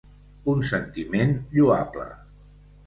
Un sentiment lloable.